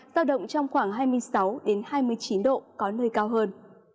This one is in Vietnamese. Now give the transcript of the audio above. giao động trong khoảng hai mươi sáu hai mươi chín độ có nơi cao hơn